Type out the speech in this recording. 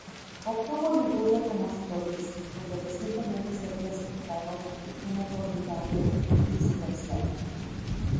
Obtuvo Liguria como su provincia, donde recientemente se había sofocado una formidable insurrección.